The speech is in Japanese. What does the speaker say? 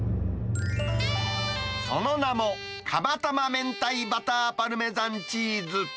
その名も、釜玉めんたいバター・パルメザンチーズ。